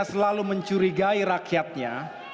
selalu mencurigai rakyatnya